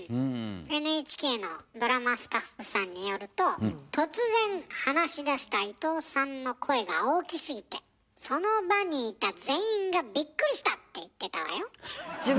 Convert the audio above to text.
ＮＨＫのドラマスタッフさんによると突然話しだした伊藤さんの声が大きすぎてその場にいた全員がビックリしたって言ってたわよ。